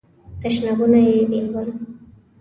تشنابونه یې بیل ول.